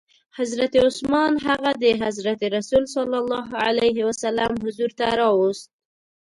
حضرت عثمان هغه د حضرت رسول ص حضور ته راووست.